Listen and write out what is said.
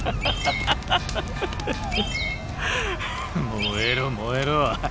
・燃えろ燃えろ。